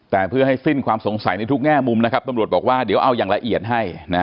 แต่เพื่อให้สิ้นความสงสัยในทุกแง่มุมนะครับตำรวจบอกว่าเดี๋ยวเอาอย่างละเอียดให้